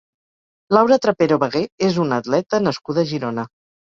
Laura Trapero Bagué és una atleta nascuda a Girona.